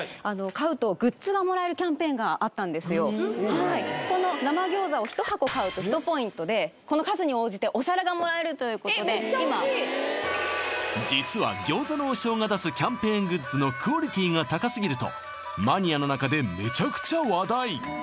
はいこの生餃子を１箱買うと１ポイントでこの数に応じてお皿がもらえるということで今実は餃子の王将が出すキャンペーングッズのクオリティが高すぎるとマニアの中でめちゃくちゃ話題